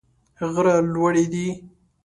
غره لوړي دي.